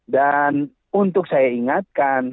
dan untuk saya ingatkan